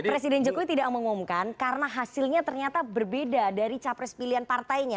presiden jokowi tidak mengumumkan karena hasilnya ternyata berbeda dari capres pilihan partainya